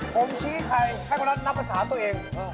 ผมชี้ใครให้เขานับภาษาตัวเอง